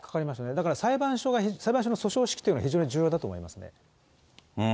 だから、裁判所が、裁判所の訴訟というのが非常に重要だと思いますね。